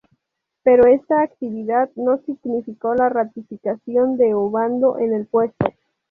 Pero esta actividad no significó la ratificación de Ovando en el puesto.